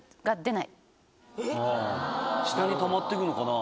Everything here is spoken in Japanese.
下にたまっていくのかな？